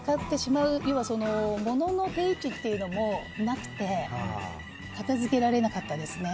要は物の定位置というのもなくて片付けられなかったですね。